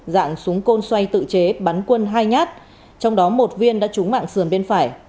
dạng súng côn xoay tự chế bắn quân hai nhát trong đó một viên đã trúng mạng sườn bên phải